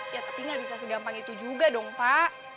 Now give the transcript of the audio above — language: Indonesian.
ya tapi nggak bisa segampang itu juga dong pak